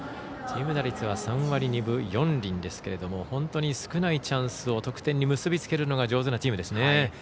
チーム打率は３割２分４厘ですが本当に少ないチャンスを得点に結び付けるのが上手なチームですね。